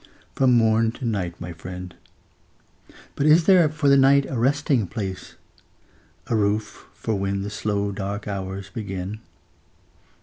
From morn to night, my friend. But is there for the night a resting place? A roof for when the slow dark hours begin.